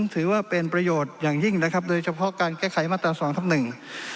ถือว่าเป็นประโยชน์อย่างยิ่งนะครับโดยเฉพาะการแก้ไขมาตราสองทับหนึ่ง